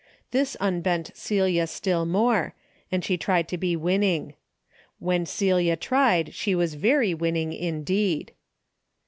This unbent Celia still more, and she tried to be winning. When Celia tried she was very winning in deed.